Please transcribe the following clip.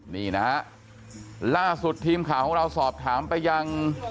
นี่นะฮะล่าสุดทีมข่าวของเราสอบถามไปยัง